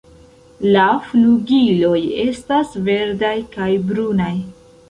La flugiloj estas verdaj kaj brunaj.